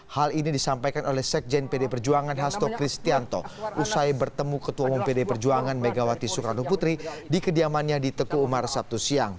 hal ini disampaikan oleh sekjen pd perjuangan hasto kristianto usai bertemu ketua umum pdi perjuangan megawati soekarno putri di kediamannya di teguh umar sabtu siang